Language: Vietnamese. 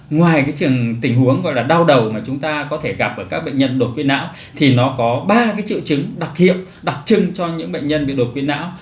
ngoài cái tình huống gọi là đau đầu mà chúng ta có thể gặp ở các bệnh nhân đột quỵ não thì nó có ba triệu chứng đặc hiệu đặc trưng cho những bệnh nhân bị đột quỵ não